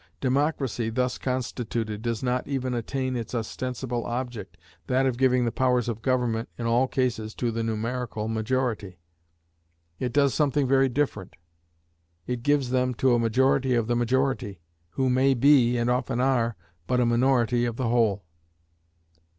Democracy, thus constituted, does not even attain its ostensible object, that of giving the powers of government in all cases to the numerical majority. It does something very different; it gives them to a majority of the majority, who may be, and often are, but a minority of the whole.